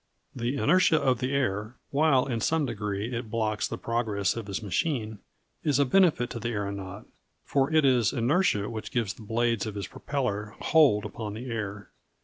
The inertia of the air, while in some degree it blocks the progress of his machine, is a benefit to the aeronaut, for it is inertia which gives the blades of his propeller "hold" upon the air.